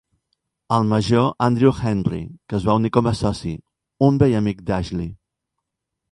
El major Andrew Henry, que es va unir com a soci, un vell amic d'Ashley.